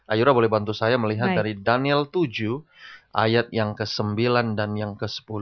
ayora boleh bantu saya melihat dari daniel tujuh ayat yang ke sembilan dan yang ke sepuluh